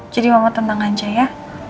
jadi mama tenang aja ya